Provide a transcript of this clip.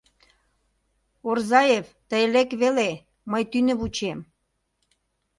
Орзаев, тый лек веле, мый тӱнӧ вучем.